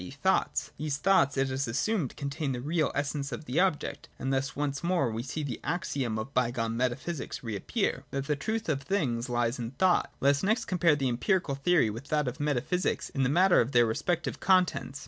e. thoughts. These thoughts, it is assumed, contain the real essence of the objects ; and thus once more we see the axiom of bygone metaphysics reappear, that the truth of things lies in thought. Let us next compare the empirical theory with that of metaphysics in the matter of their respective contents.